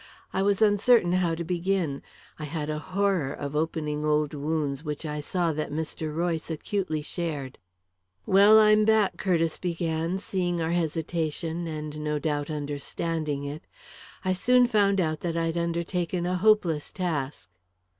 I was uncertain how to begin; I had a horror of opening old wounds which I saw that Mr. Royce acutely shared. "Well, I'm back," Curtiss began, seeing our hesitation and no doubt understanding it. "I soon found out that I'd undertaken a hopeless task."